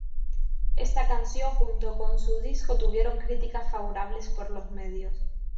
Esta canción junto con su disco tuvieron críticas favorables por medios.